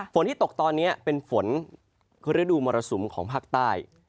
ฝนที่ตกตอนนี้เป็นฝนคือฤดูมรสุมของภาคใต้